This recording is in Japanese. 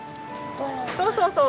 そうそうそう。